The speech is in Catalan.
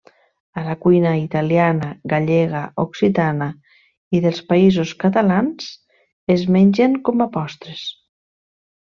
A la cuina italiana, gallega, occitana i dels Països Catalans es mengen com a postres.